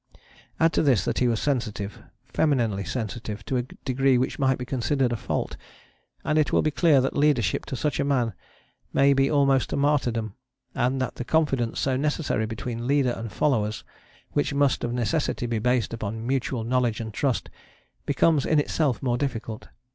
Add to this that he was sensitive, femininely sensitive, to a degree which might be considered a fault, and it will be clear that leadership to such a man may be almost a martyrdom, and that the confidence so necessary between leader and followers, which must of necessity be based upon mutual knowledge and trust, becomes in itself more difficult.